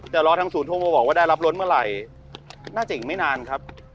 แต่รอทางศูนย์โทรมาบอกว่าได้รับรถเมื่อไหร่น่าจะอีกไม่นานครับ